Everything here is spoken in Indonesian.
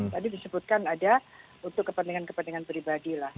tadi disebutkan ada untuk kepentingan kepentingan pribadi lah